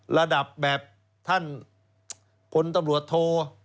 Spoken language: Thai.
ระดับแบบท่านพลตำรวจโท